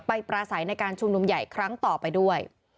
ปราศัยในการชุมนุมใหญ่ครั้งต่อไปด้วย